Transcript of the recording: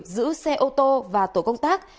giữ xe ô tô và tổ công tác